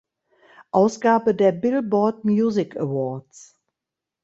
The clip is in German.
Ausgabe der Billboard Music Awards.